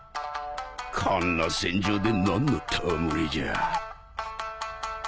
こんな戦場で何の戯れじゃ